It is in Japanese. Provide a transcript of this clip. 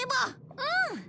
うん！